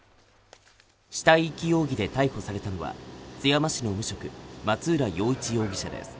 死体遺棄容疑で逮捕されたのは津山市の無職松浦洋一容疑者です